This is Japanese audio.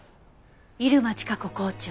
入間千加子校長？